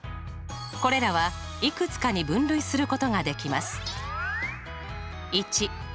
これらはいくつかに分類することができます。